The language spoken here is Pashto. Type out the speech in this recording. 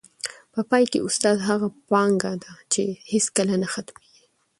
په پای کي، استاد هغه پانګه ده چي هیڅکله نه ختمېږي.